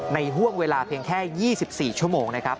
ห่วงเวลาเพียงแค่๒๔ชั่วโมงนะครับ